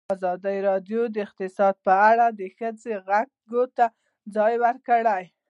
ازادي راډیو د اقتصاد په اړه د ښځو غږ ته ځای ورکړی.